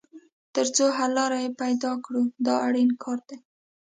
تر څو حل لاره یې پیدا کړو دا اړین کار دی.